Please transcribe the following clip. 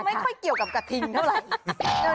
ไม่ค่อยเกี่ยวกับกระทิงเท่าไหร่